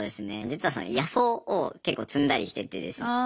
実は野草を結構摘んだりしててですね。